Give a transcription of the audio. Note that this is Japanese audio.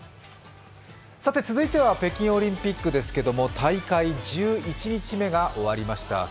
続いては北京オリンピックですけども大会１１日目が終わりました。